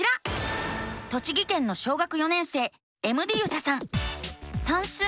栃木県の小学４年生エムディユサさん。